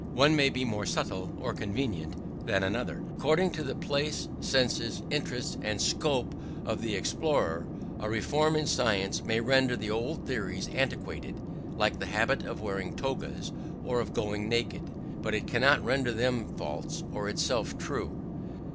One may be more convenient or subtle than another, according to the place, senses, interests, and scope of the explorer; a reform in science may render the old theories antiquated, like the habit of wearing togas, or of going naked; but it cannot render them false, or itself true.